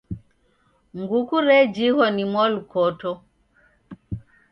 Nguku rejighwa ni mwalukoto.